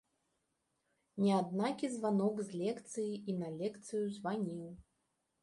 Не аднакі званок з лекцыі і на лекцыю званіў.